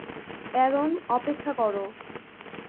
Aaron, অপেক্ষা করো।